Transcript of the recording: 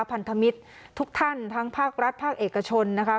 พันธมิตรทุกท่านทั้งภาครัฐภาคเอกชนนะคะ